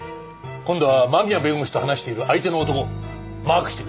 今度は間宮弁護士と話している相手の男マークしてくれ。